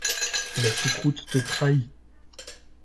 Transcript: La choucroute te trahit.